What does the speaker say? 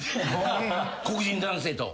黒人男性と？